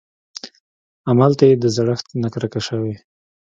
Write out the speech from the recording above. املته يې د زړښت نه کرکه شوې.